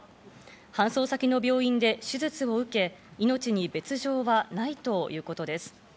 搬送先の病院で手術を受け、命に別条はないということです。